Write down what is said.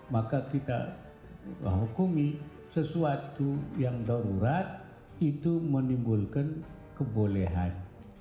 maka kita hukumi sesuatu yang darurat itu menimbulkan kebolehan